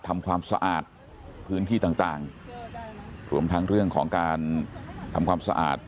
ทำความสะอาดพื้นที่ต่างต่างรวมทั้งเรื่องของการทำความสะอาด